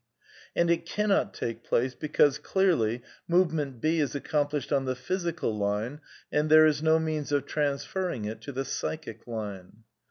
And it cannot take place because, clearly, movement b is accomplished on the physical line, and there is no means of transferring it to the psychic line.